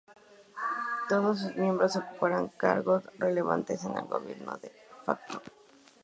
Todos sus miembros ocuparán cargos relevantes en el gobierno de facto.